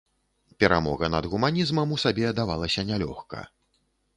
Перамога над гуманізмам у сабе давалася нялёгка.